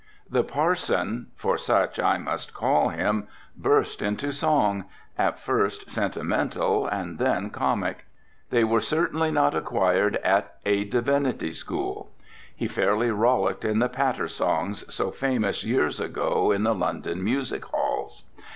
The parson, for such I must call him, burst into song, at first sentimental and then comic. They were certainly not acquired at a divinity school. He fairly rollicked in the patter songs, so famous years ago in the London music halls.